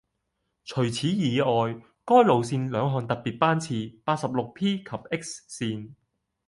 除此以外，該路線兩項特別班次八十六 P 及 X 線